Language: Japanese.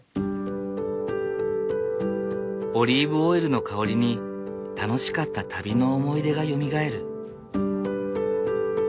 オリーブオイルの香りに楽しかった旅の思い出がよみがえる。